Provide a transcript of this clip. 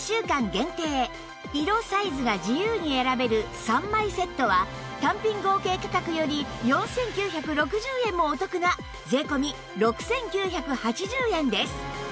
限定色・サイズが自由に選べる３枚セットは単品合計価格より４９６０円もお得な税込６９８０円です